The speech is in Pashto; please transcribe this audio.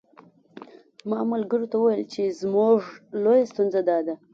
ما ملګرو ته ویل چې زموږ لویه ستونزه داده.